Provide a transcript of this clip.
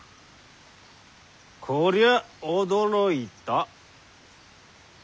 こりゃ驚いた。